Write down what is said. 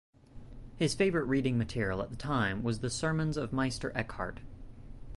His favourite reading material at the time was the sermons of Meister Eckhart.